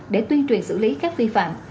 để tuyên truyền xử lý các phi phạm